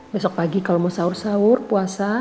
besok pagi kalau mau sahur sahur puasa